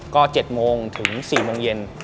ก็๗โมงถึง๔โมงเย็น